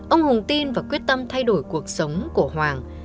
ông hùng tin và quyết tâm thay đổi cuộc sống của hoàng